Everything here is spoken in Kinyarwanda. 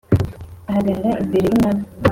ahagarara imbere y’umwami.